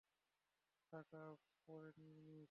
টাকা পরে নিয়ে নিস।